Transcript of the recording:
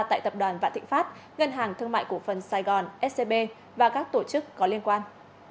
tại tập đoàn vạn thịnh pháp ngân hàng thương mại cổ phần sài gòn scb và các tổ chức có liên quan